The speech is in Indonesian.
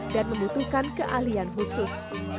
dan membutuhkan keahlian khusus